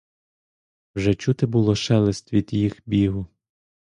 Вже чути було шелест від їх бігу.